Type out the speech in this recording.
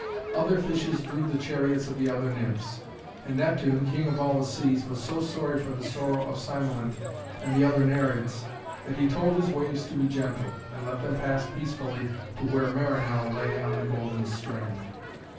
Other fishes drew the chariots of the other nymphs, and Neptune, King of all the Seas, was so sorry for the sorrow of Cymoënt and the other Nereids, that he told his waves to be gentle, and let them pass peacefully to where Marinell lay on the golden strand.